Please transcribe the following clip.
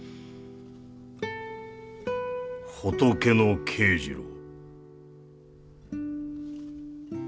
仏の慶次郎。